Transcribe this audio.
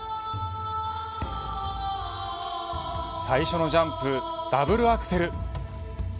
最初のジャンプダブルアクセル。